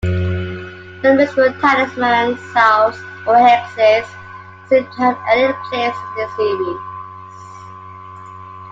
No mystical talismans, salves or hexes seemed to have any place in the series.